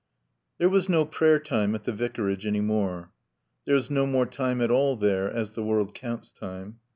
LI There was no prayer time at the Vicarage any more. There was no more time at all there as the world counts time.